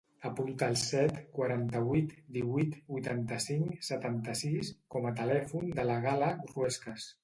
Apunta el set, quaranta-vuit, divuit, vuitanta-cinc, setanta-sis com a telèfon de la Gala Ruescas.